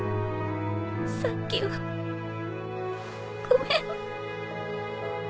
さっきはごめん。